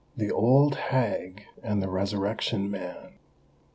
THE OLD HAG AND THE RESURRECTION MAN.